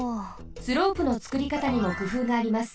スロープのつくりかたにもくふうがあります。